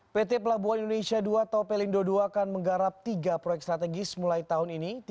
pt pelabuhan indonesia ii atau pelindo ii akan menggarap tiga proyek strategis mulai tahun ini